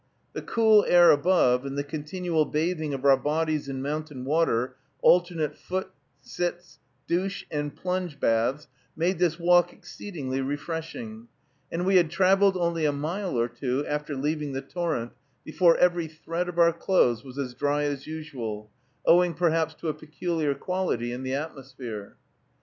The cool air above and the continual bathing of our bodies in mountain water, alternate foot, sitz, douche, and plunge baths, made this walk exceedingly refreshing, and we had traveled only a mile or two, after leaving the torrent, before every thread of our clothes was as dry as usual, owing perhaps to a peculiar quality in the atmosphere.